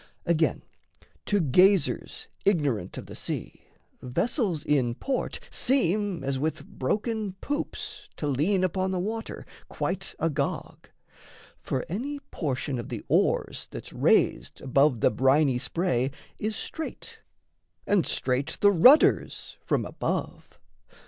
Again, to gazers ignorant of the sea, Vessels in port seem, as with broken poops, To lean upon the water, quite agog; For any portion of the oars that's raised Above the briny spray is straight, and straight The rudders from above.